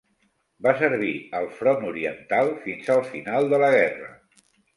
Va servir al Front Oriental fins al final de la guerra.